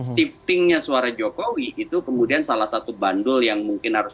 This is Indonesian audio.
shiftingnya suara jokowi itu kemudian salah satu bandul yang mungkin harus